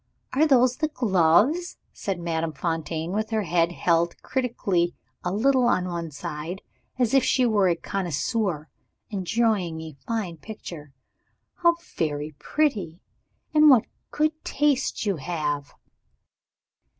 "And those are the gloves!" said Madame Fontaine, with her head held critically a little on one side, as if she was a connoisseur enjoying a fine picture. "How very pretty! And what good taste you have!"